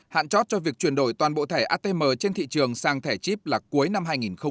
hạn chót cho việc chuyển đổi toàn bộ thẻ atm trên thị trường sang thẻ chip là cuối năm hai nghìn hai mươi